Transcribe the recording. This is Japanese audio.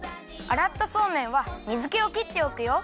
あらったそうめんは水けをきっておくよ。